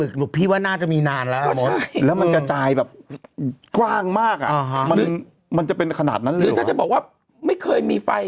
คนพิการจริงได้รู้สึก๒เล่ม